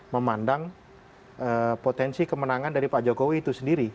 memandang potensi kemenangan dari pak jokowi itu sendiri